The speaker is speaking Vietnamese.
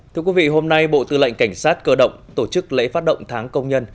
thưa quý vị hôm nay bộ tư lệnh cảnh sát cơ động tổ chức lễ phát động tháng công nhân